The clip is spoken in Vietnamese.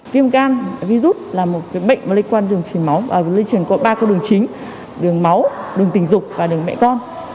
viêm gan virus là một bệnh liên quan đường truyền máu liên truyền qua ba cơ đường chính đường máu đường tình dục và đường mẹ con